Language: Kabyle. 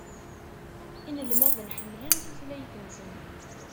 Inelmaden ḥemmlen tutlayt-nsen.